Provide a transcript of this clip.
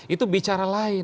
itu bicara lain